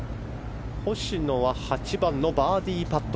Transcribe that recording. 星野は８番のバーディーパット。